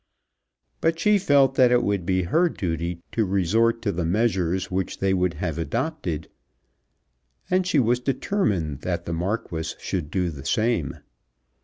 But she felt that it would be her duty to resort to the measures which they would have adopted, and she was determined that the Marquis should do the same.